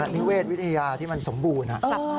นิเวศวิทยาที่มันสมบูรณ์